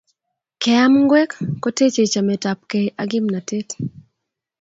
Keam ngwek kotechei chametapkei ak kimnatet